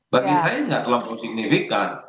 bagi saya tidak terlampau signifikan